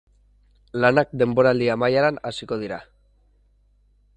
Lanak denboraldi amaieran hasiko dira.